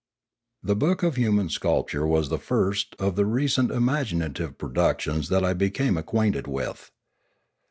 The book of Human Sculpture was the first of the re cent imaginative productions that I became acquainted with.